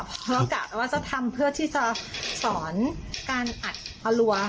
เพราะเรากะว่าจะทำเพื่อที่จะสอนการอัดอรัว